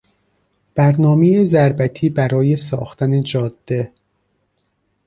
برنامهی ضربتی برای ساختن جاده